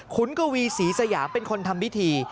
คุณกวีศรีสยามเป็นคนทำพิธี